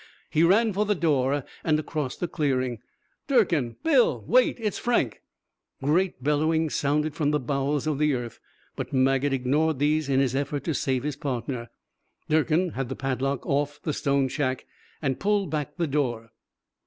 He ran for the door, and across the clearing. "Durkin Bill wait, it's Frank " Great bellowings sounded from the bowels of the earth, but Maget ignored these in his effort to save his partner. Durkin had the padlock off the stone shack, and pulled back the door.